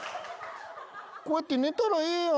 こうやって寝たらええやん。